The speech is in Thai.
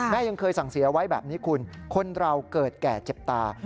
ยังเคยสั่งเสียไว้แบบนี้คุณคนเราเกิดแก่เจ็บตา